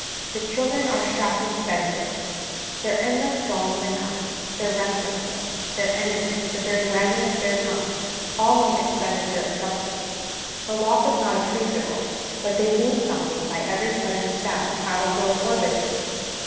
The children are shocking spendthrifts ; their endless goings and comings, their restlessness, their energy, the very wagging of their tongues, all mean expenditure of substance : the loss is not appreciable, but they lose something by every sudden sally, out of doors or within.